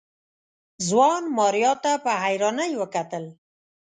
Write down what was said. ځوان ماريا ته په حيرانۍ وکتل.